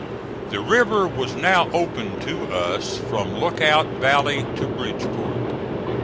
The river was now opened to us from Lookout valley to Bridgeport.